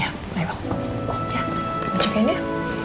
ya berbicarain ya